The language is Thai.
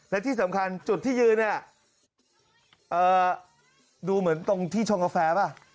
และที่สำคัญจุดที่ยืนเนี่ย